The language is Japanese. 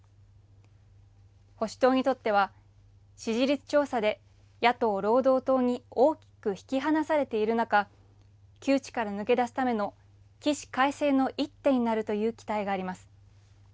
保守党にとっては、支持率調査で野党・労働党に大きく引き離されている中、窮地から抜け出すための起死回生の一手になるという期待があります。